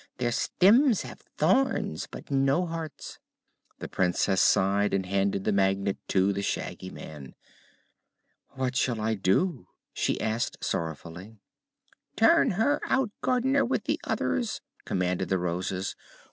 Their stems have thorns, but no hearts." The Princess sighed and handed the Magnet to the Shaggy Man. "What shall I do?" she asked sorrowfully. "Turn her out, Gardener, with the others!" commanded the Roses.